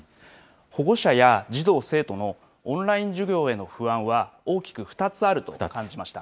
保護者や児童・生徒のオンライン授業への不安は、大きく２つあると感じました。